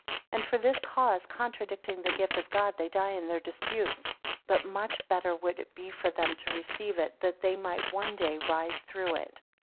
17 And for this cause contradicting the gift of God, they die in their disputes; but much better would it be for them to receive it, that they might one day rise through it.